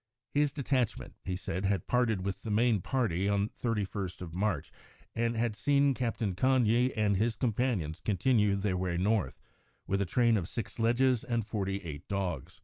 His detachment, he said, had parted with the main party on 31st March, and had seen Captain Cagni and his companions continue their way to the north, with a train of six sledges and forty eight dogs.